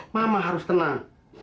mama harus tenang